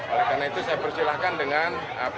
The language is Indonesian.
oleh karena itu saya persilahkan dengan